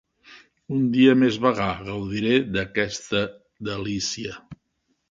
Un dia de més vagar gaudiré aquesta delícia.